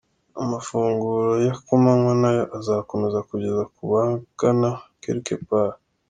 Amafunguro ya kumanywa nayo azakomeza kugeza ku bagana Quelque Part.